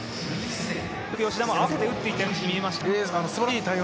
うまく吉田も合わせて打っていったように見えましたが。